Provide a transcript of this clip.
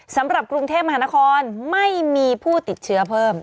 สำหรับกรุงเทพมหานครไม่มีผู้ติดเชื้อเพิ่ม